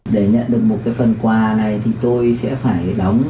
để nhận được một phần quà này thì tôi sẽ phải đóng